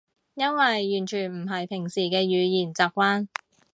因為完全唔係平時嘅語言習慣